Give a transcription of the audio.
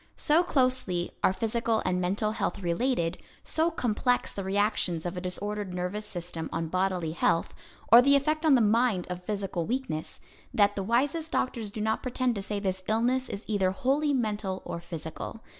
So closely are physical and mental health related, so complex the reactions of a disordered nervous system on bodily health, or the effect on the mind of physical weakness, that the wisest doctors do not pretend to say this illness is either wholly mental or physical.